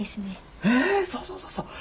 ええそうそうそうそう。